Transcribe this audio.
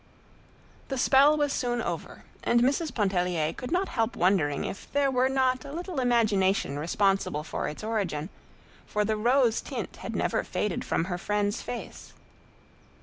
The spell was soon over, and Mrs. Pontellier could not help wondering if there were not a little imagination responsible for its origin, for the rose tint had never faded from her friend's face.